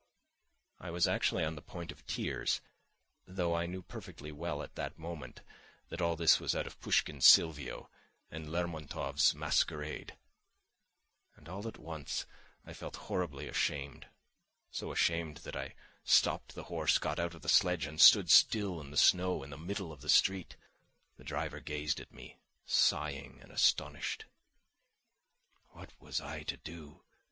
I was actually on the point of tears, though I knew perfectly well at that moment that all this was out of Pushkin's Silvio and Lermontov's Masquerade. And all at once I felt horribly ashamed, so ashamed that I stopped the horse, got out of the sledge, and stood still in the snow in the middle of the street. The driver gazed at me, sighing and astonished. What was I to do?